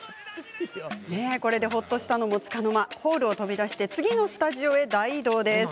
ほっとするのもつかの間ホールを飛び出し次のスタジオへ大移動。